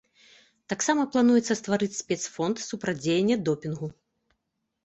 Таксама плануецца стварыць спецфонд супрацьдзеяння допінгу.